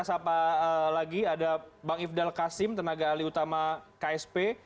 sapa lagi ada bang ifdal kasim tenaga alih utama ksp